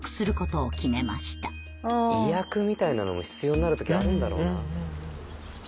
意訳みたいなのも必要になる時あるんだろうなあ。